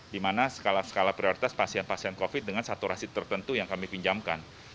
di mana skala skala prioritas pasien pasien covid dengan saturasi tertentu yang kami pinjamkan